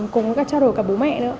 cùng các trao đổi cả bố mẹ nữa